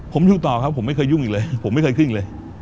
ผมอยู่ต่อครับผมไม่เคยยุ่งอีกเลยผมไม่เคยขึ้นเลย